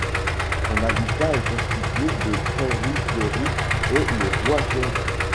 Son habitat est constitué de prairies fleuries et les bois clairs.